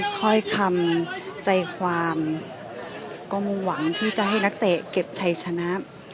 ถ้อยคำใจความก็มุ่งหวังที่จะให้นักเตะเก็บชัยชนะ